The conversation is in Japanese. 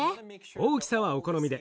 大きさはお好みで。